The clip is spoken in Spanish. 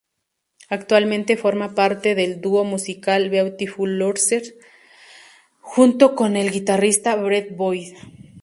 Actualmente forma parte del dúo musical Beautiful Losers, junto con el guitarrista Brett Boyd.